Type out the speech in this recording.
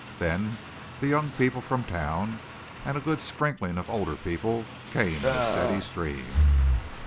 Then the young people from town, and a good sprinkling of older people, came in a steady stream.